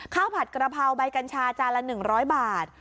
ผัดกระเพราใบกัญชาจานละ๑๐๐บาท